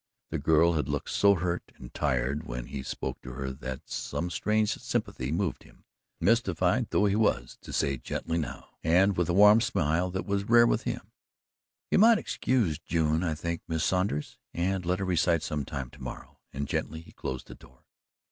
The girl had looked so hurt and tired when he spoke to her that some strange sympathy moved him, mystified though he was, to say gently now and with a smile that was rare with him: "You might excuse June, I think, Miss Saunders, and let her recite some time to morrow," and gently he closed the door.